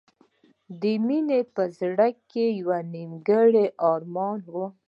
د مینې په زړه کې یو نیمګړی ارمان و